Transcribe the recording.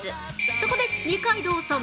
そこで二階堂さん